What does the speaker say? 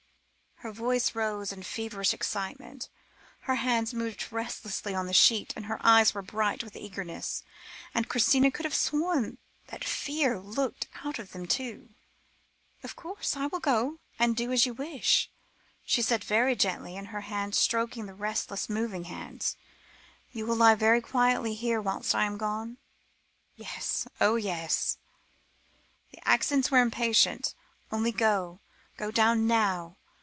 Her voice rose in feverish excitement, her hands moved restlessly on the sheet, her eyes were bright with eagerness, and Christina could have sworn that fear looked out of them, too. "Of course I will go and do as you wish," she said very gently, her hand stroking the restlessly moving hands; "you will lie very quietly here whilst I am gone?" "Yes, oh yes!" the accents were impatient. "Only go go down now.